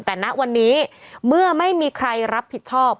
แต่ณวันนี้เมื่อไม่มีใครรับผิดชอบ